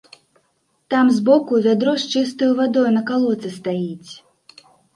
Там збоку вядро з чыстаю вадою на калодцы стаіць.